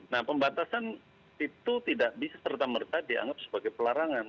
nah pembatasan itu tidak bisa serta merta dianggap sebagai pelarangan